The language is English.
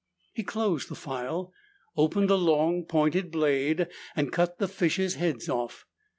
He closed the file, opened a long, pointed blade, and cut the fishes' heads off.